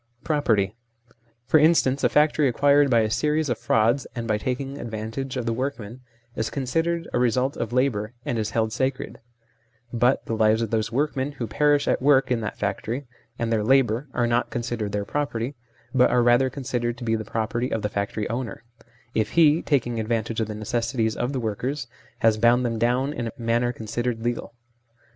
Property : for instance a factory, acquired by a series of frauds and by taking advantage of the workmen, is considered a result of labour, and is held sacred; but the lives of those workmen who perish at work in that factory, and their labour, are not considered their property, but are rather considered to be the property of the factory owner, if he taking advantage of the necessities of the workers has bound them down in a manner considered legal.